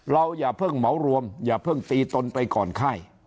อย่าเพิ่งเหมารวมอย่าเพิ่งตีตนไปก่อนไข้